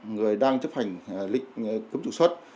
người đang chấp hành lịch cấm trục xuất